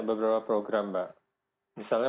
beberapa program mbak misalnya